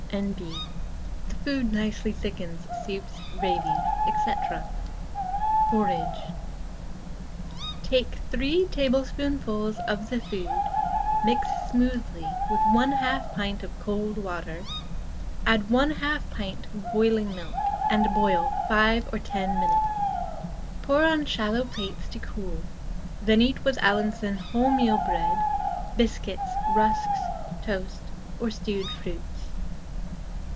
N.B. The food nicely thickens soups, gravies, &c. PORRIDGE. Take 3 tablespoonfuls of the food, mix smoothly, with 1/2 pint of cold water, add 1/2 pint boiling milk, and boil 5 or 10 minutes. Pour on shallow plates to cool, then eat with Allinson wholemeal bread, biscuits, rusks, toast, or stewed fruits.